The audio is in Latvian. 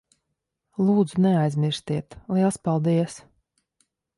Lūdzu, neaizmirstiet. Liels paldies.